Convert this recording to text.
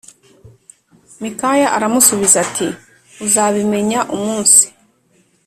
Mikaya aramusubiza ati uzabimenya umunsi